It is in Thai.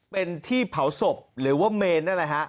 เป็นที่เผาศพหรือว่าเมน